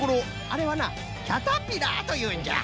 あれはなキャタピラーというんじゃ。